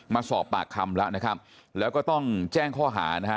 มาสอบปากคำแล้วนะครับแล้วก็ต้องแจ้งข้อหานะฮะ